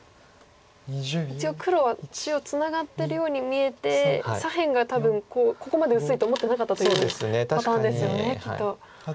一応黒はツナがってるように見えて左辺が多分ここまで薄いと思ってなかったというパターンですよねきっと。